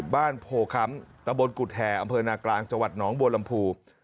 บ้านโผล่คำตะบนกุฏแห่อำเภอหน้ากลางจังหวัดหนองบวรรมภู